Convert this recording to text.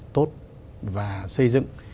tốt và xây dựng